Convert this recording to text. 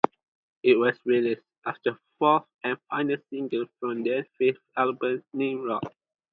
It was released as the fourth and final single from their fifth album, "Nimrod".